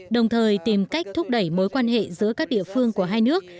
đồng thời tìm cách thúc đẩy mối quan hệ giữa các địa phương của hai nước